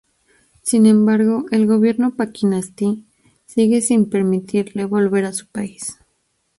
Sin embargo, el gobierno pakistaní sigue sin permitirle volver a su país.